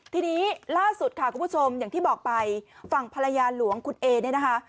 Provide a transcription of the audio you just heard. ทีนี้ล่าสุดค่ะคุณผู้ชมอย่างที่บอกไปฝั่งภรรยาหลวงคุณเอเนี่ยนะคะ